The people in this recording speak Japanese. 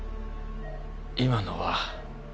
今のは